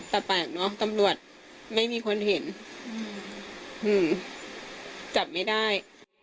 แต่แปลกเนอะตำรวจไม่มีคนเห็นจับไม่ได้